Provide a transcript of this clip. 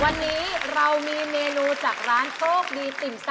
วันนี้เรามีเมนูจากร้านโชคดีติ่ม๓